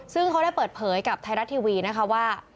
ซึ่งเขาได้เปิดเผยกับไทยรัฐทีวีนะคะว่า